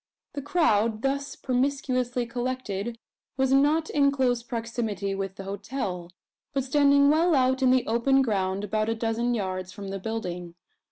The crowd, thus promiscuously collected, was not in close proximity with the hotel; but standing well out in the open ground, about a dozen yards from the building.